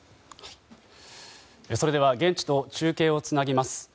それでは現地と中継をつなぎます。